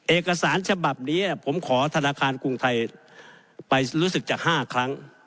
เอกสารฉบับนี้ผมขอธนาคารกรุงไทยไปรู้สึกจาก๕ครั้ง